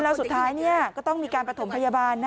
แล้วสุดท้ายก็ต้องมีการประถมพยาบาล